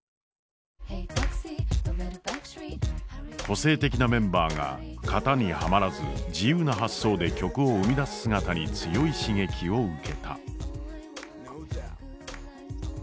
個性的なメンバーが型にはまらず自由な発想で曲を生み出す姿に強い刺激を受けた。